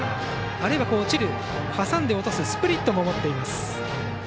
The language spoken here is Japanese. あるいは落ちる挟んで落とすスプリットも持っています。